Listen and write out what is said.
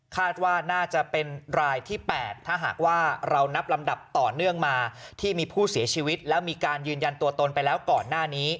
คาดว่าน่าจะเป็นรายที่๘ถ้าหากว่าเรานับลำดับต่อเนื่องมาที่มีผู้เสียชีวิตแล้วมีการยืนยันตัวตนไปแล้วก่อนหน้านี้